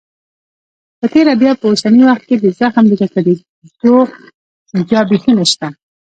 په تیره بیا په اوسني وخت کې د زخم د ککړېدو شونتیا بيخي نشته.